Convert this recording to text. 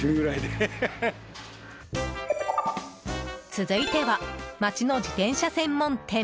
続いては、街の自転車専門店。